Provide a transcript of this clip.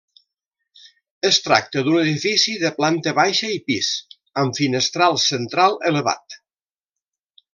Es tracta d'un edifici de planta baixa i pis, amb finestral central elevat.